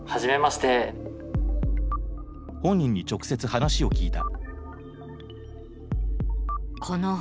本人に直接話を聞いた。